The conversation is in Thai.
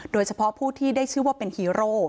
โดยเฉพาะผู้ที่ได้ชื่อว่าเป็นฮีโร่